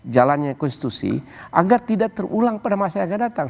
jalannya konstitusi agar tidak terulang pada masa yang akan datang